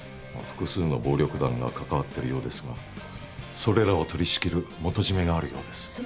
複数の暴力団がかかわってるようですがそれらを取り仕切る元締があるようです。